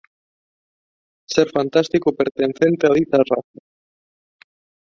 Ser fantástico pertencente á dita raza.